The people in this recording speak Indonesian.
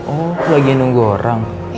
oh lagi nunggu orang